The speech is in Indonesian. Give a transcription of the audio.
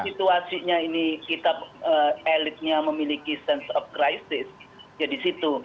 kalau situasinya ini kita elitnya memiliki sense of crisis jadi situ